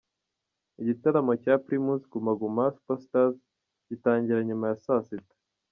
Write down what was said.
Igitaramo cya Primus Guma Guma Super Stars gitangira nyuma ya saa sita.